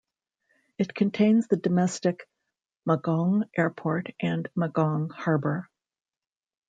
It contains the domestic Magong Airport and Magong Harbor.